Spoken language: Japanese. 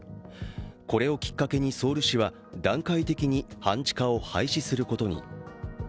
これをきっかけにソウル市は段階的に半地下を廃止することに。